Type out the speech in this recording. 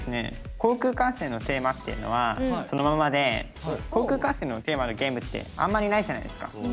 航空管制のテーマというのはそのままで航空管制のテーマのゲームってあまり、ないじゃないですか。